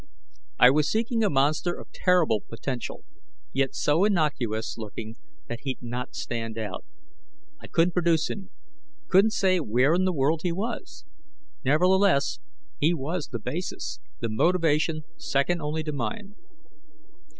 I was seeking a monster of terrible potential, yet so innocuous looking that he'd not stand out. I couldn't produce him, couldn't say where in the world he was. Nevertheless he was the basis, the motivation second only to mine.